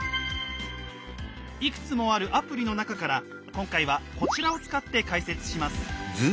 いくつもあるアプリの中から今回はこちらを使って解説します。